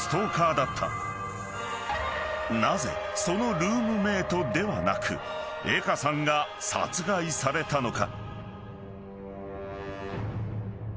［なぜそのルームメートではなく江歌さんが殺害されたのか］